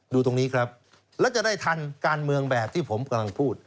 ดูตรงนี้ครับแล้วจะได้ทันการเมืองแบบที่ผมกำลังพูด